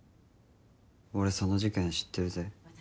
俺その事件知ってるぜ。